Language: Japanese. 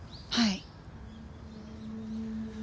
はい。